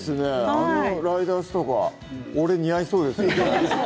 あのライダースとか俺似合いそうですよ。